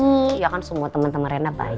iya kan semua temen temen rena baik